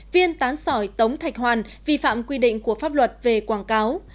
viên tán sỏi tống thạch hoàn vi phạm quy định của pháp luật về quảng cáo